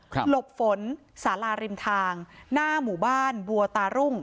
หลบฝนสาลาริมทางหน้าหมู่บ้านบัวตารุ่ง